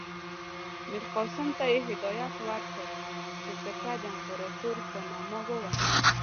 میرقاسم ته یې هدایت ورکړ چې سکه د امپراطور په نامه ووهي.